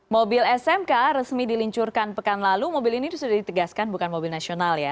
mobil smk resmi diluncurkan pekan lalu mobil ini sudah ditegaskan bukan mobil nasional ya